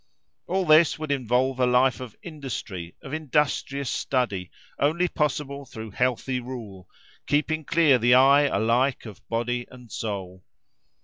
All this would involve a life of industry, of industrious study, only possible through healthy rule, keeping clear the eye alike of body and soul.